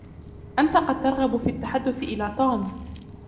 أنتَ قد ترغب في التحدُث إلى توم.